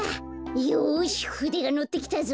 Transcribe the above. よしふでがのってきたぞ！